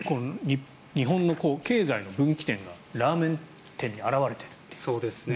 日本の経済の分岐点がラーメン店に表れているという。